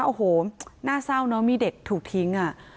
โอ้โหน่าเศร้าเนอะมีเด็กถูกทิ้ง